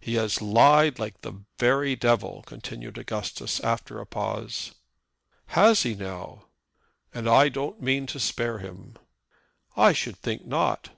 "He has lied like the very devil," continued Augustus, after a pause. "Has he, now?" "And I don't mean to spare him." "I should think not."